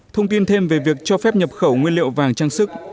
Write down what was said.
thông tin thêm về việc cho phép nhập khẩu nguyên liệu vàng trang sức